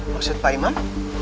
masjid pak imam